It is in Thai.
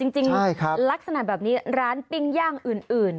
จริงลักษณะแบบนี้ร้านปิ้งย่างอื่น